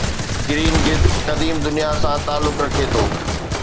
green گدھ قديم دنيا سان تعلق رکي ٿو